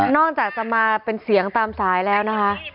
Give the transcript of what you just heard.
จากจะมาเป็นเสียงตามสายแล้วนะคะ